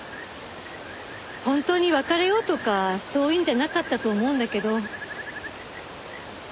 本当に別れようとかそういうんじゃなかったと思うんだけど。